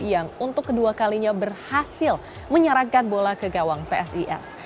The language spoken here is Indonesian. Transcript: yang untuk kedua kalinya berhasil menyerangkan bola ke gawang psis